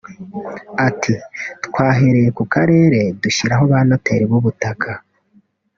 Ati “Twahereye ku karere dushyiraho ba noteri b’ubutaka